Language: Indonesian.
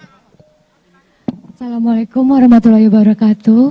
assalamualaikum warahmatullahi wabarakatuh